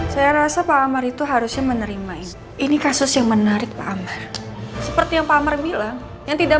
saya rasa pak amar itu harusnya menerima itu ini kasus yang menarik pak amar seperti yang pak amar bilang yang tidak